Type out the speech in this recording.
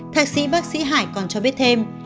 thạc sĩ bác sĩ hải còn cho biết thêm